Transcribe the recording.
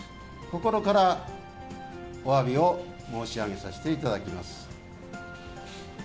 心からおわびを申し上げさせていただきます。